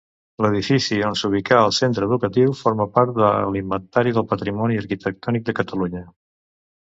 L'edifici on s'ubica el centre educatiu forma part de l'Inventari del Patrimoni Arquitectònic de Catalunya.